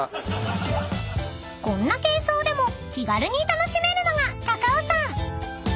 ［こんな軽装でも気軽に楽しめるのが高尾山］